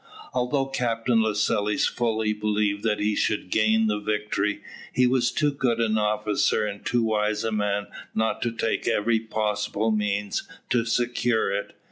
Although Captain Lascelles fully believed that he should gain the victory, he was too good an officer and too wise a man not to take every possible means to secure it.